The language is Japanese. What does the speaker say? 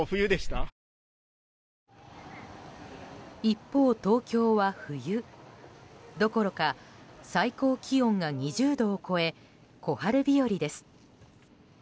一方、東京は冬どころか最高気温が２０度を超え小春日和です。